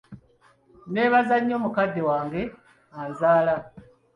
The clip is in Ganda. Neebaza nnyo Mukadde wange anzaala.